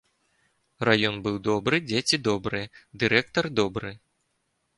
Раён быў добры, дзеці добрыя, дырэктар добры.